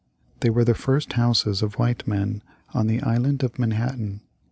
They were the first houses of white men on the Island of Manhattan.